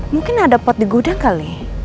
mungkin ada pot di gudang kali